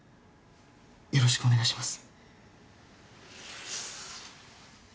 よろしくお願いします。